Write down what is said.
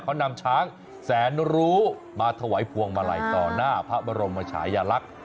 เขานำช้างแสนรู้มาถวายพวงมาลัยต่อหน้าพระบรมชายลักษณ์